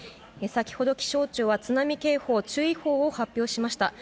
先ほど気象庁は津波警報注意報を発表しました。